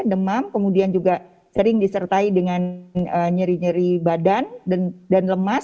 demam kemudian juga sering disertai dengan nyeri nyeri badan dan lemas